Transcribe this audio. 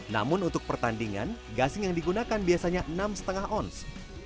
namun untuk pertandingan gasing yang digunakan biasanya enam lima ons